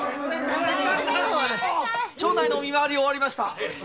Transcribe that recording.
町内の見回り終わりました。